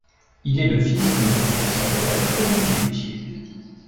Il est le fils d'une professeur de lettres et d'un bijoutier.